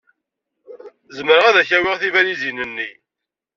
Zemreɣ ad k-awiɣ tibalizin-nni.